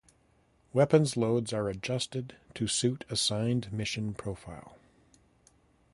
Weapons loads are adjusted to suit assigned mission profile.